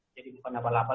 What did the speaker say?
jadi bukan apa apa